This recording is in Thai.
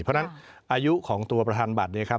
เพราะฉะนั้นอายุของตัวประธานบัตรเนี่ยครับ